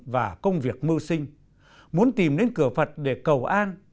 và công việc mưu sinh muốn tìm đến cửa phật để cầu an